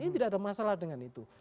ini tidak ada masalah dengan itu